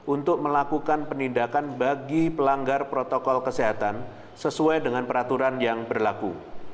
untuk melakukan penindakan bagi pelanggar protokol kesehatan sesuai dengan peraturan yang berlaku